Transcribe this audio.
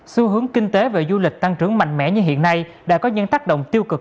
xu hướng kinh tế và du lịch tăng trưởng mạnh mẽ như hiện nay đã có những tác động tiêu cực